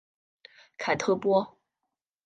凯特波。